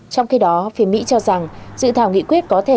trong khi đó phía mỹ cho rằng dự thảo nghị quyết có thể